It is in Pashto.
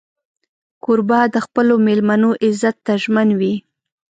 کوربه د خپلو مېلمنو عزت ته ژمن وي.